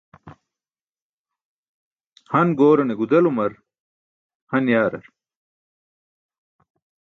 Han goorane gudelumar han yaarar.